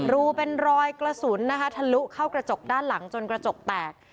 รูเป็นรอยกระสุนนะคะทะลุเข้ากระจกด้านหลังจนกระจกแตก